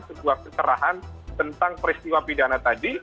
sebuah kecerahan tentang peristiwa pidana tadi